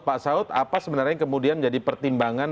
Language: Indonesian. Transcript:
pak saud apa sebenarnya kemudian jadi pertimbangan